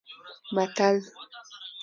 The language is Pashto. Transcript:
متل